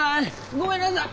ごめんなさい。